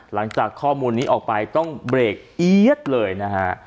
หลังจากข้อมูลนี้ออกไปต้องเบรกเอี๊ยดเลยนะฮะ